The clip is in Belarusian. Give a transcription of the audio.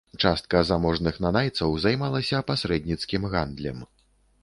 Частка заможных нанайцаў займалася пасрэдніцкім гандлем.